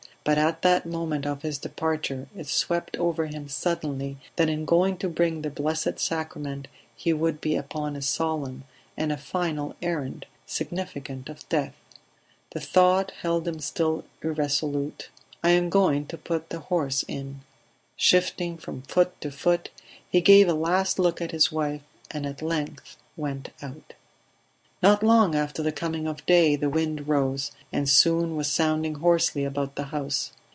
But at the moment of his departure it swept over him suddenly that in going to bring the Blessed Sacrament he would be upon a solemn and a final errand, significant of death. The thought held him still irresolute. "I am going to put the horse in." Shifting from foot to foot, he gave a last look at his wife and at length went out. Not long after the coming of day the wind rose, and soon was sounding hoarsely about the house.